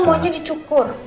kamu aja dicukur